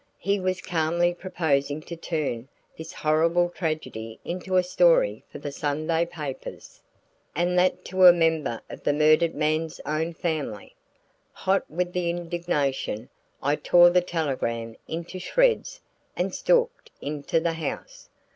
He was calmly proposing to turn this horrible tragedy into a story for the Sunday papers and that to a member of the murdered man's own family. Hot with indignation, I tore the telegram into shreds and stalked into the house.